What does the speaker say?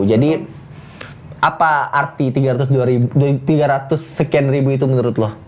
jadi apa arti tiga ratus sekian ribu itu menurut lo